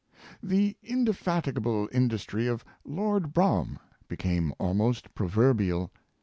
The indefatigable industry of Lord Brougham became almost proverbial.